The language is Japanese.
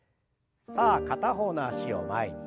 さあ片方の脚を前に。